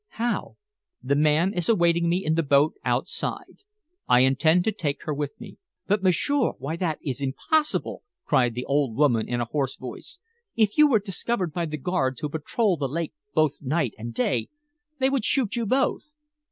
"How?" "The man is awaiting me in the boat outside. I intend to take her with me." "But, m'sieur, why that is impossible!" cried the old woman in a hoarse voice. "If you were discovered by the guards who patrol the lake both night and day they would shoot you both."